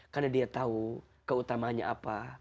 karena dia tahu keutamanya apa